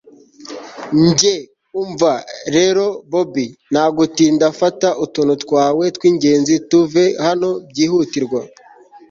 njye umva rero bobi! ntagutinda, fata utuntu twawe twingenzi tuve hano byihutirwa